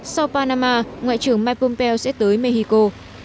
sau panama ngoại trưởng mike pompeo sẽ tới mexico